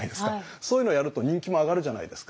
そういうのをやると人気も上がるじゃないですか。